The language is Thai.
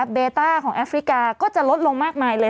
เบต้าของแอฟริกาก็จะลดลงมากมายเลย